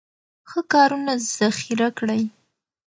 ښه کارونه ذخیره کړئ.